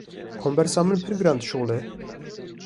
Kombersa min pir giran dişuxile.